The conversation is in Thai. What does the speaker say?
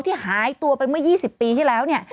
ที่หายตัวไปเมื่อ๒๐ปีที่แล้ว